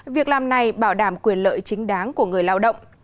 việc làm này bảo đảm quyền lợi chính đáng của người lao động